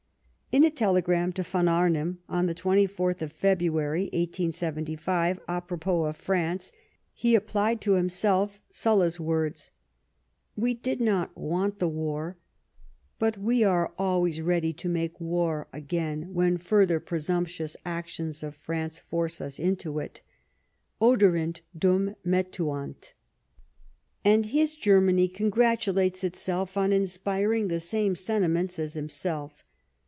In a telegram to von Arnim, on the 24th of February, 1875, a propos of France, he applied to himself Sulla's words :" We did not want the war ; but we are always ready to make war again when further presumptuous actions of France force us into it. Oderint dum metuant." And his Germany congratulates itself on inspir ing the same sentiments as himself.